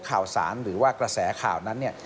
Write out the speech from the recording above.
ข่าวสารหรือว่ากระแสข่าวนั้นเนี่ย